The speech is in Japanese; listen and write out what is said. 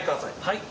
はい。